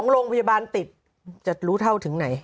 โรงพยาบาลติดจะรู้เท่าถึงไหน